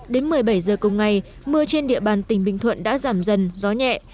đến một mươi bảy giờ cùng ngày mưa trên địa bàn tỉnh bình thuận đã giảm dần gió nhẹ